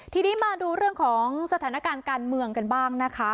ทีนี้มาดูเรื่องของสถานการณ์การเมืองกันบ้างนะคะ